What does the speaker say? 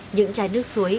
những trái nước suối